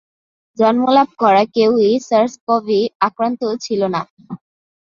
জন্মলাভ করা কেউই সার্স-কভি আক্রান্ত ছিল না।